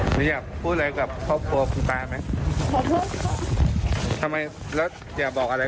ก็เลยเอาไปโยนทิ้งน้ำเพื่ออำพรางคดี